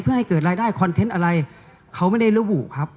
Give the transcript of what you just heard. เพื่อให้เกิดรายได้คอนเทนต์อะไรเขาไม่ได้ระบุครับ